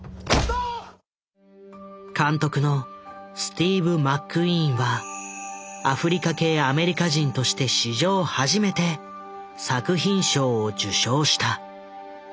監督のスティーブ・マックイーンはアフリカ系アメリカ人として史上初めて作品賞を受賞した。